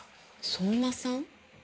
相馬さん？